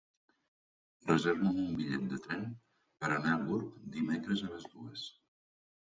Reserva'm un bitllet de tren per anar a Gurb dimecres a les dues.